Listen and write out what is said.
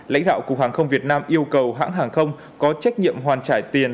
lãnh đạo cục hàng không việt nam yêu cầu hãng hàng không có trách nhiệm hoàn trả tiền